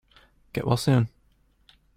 Get well soon!